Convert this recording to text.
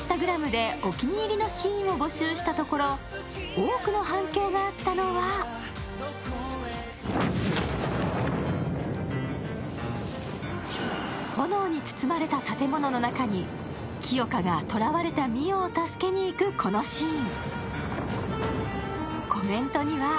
多くの反響があったのは炎に包まれた建物の中に清霞がとらわれた美世を助けにいくコノシーン。